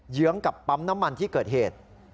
เยื้องกับปั๊มน้ำมันที่เกิดเหตุ